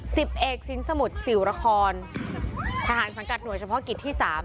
สิบเอกสินสมุทรสิวละครทหารสังกัดหน่วยเฉพาะกิจที่สาม